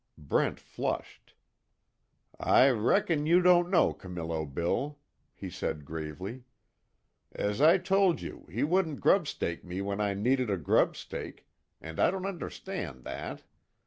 Brent flushed: "I reckon you don't know Camillo Bill," he said gravely, "As I told you, he wouldn't grub stake me when I needed a grub stake, and I don't understand that.